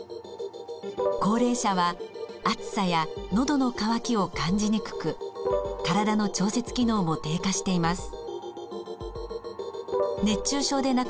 高齢者は暑さやのどの渇きを感じにくく体の調節機能も低下しています。